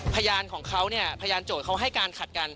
พยานของเขาพยานโจทย์ให้การขัดกัน